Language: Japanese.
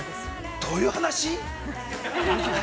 どういう話？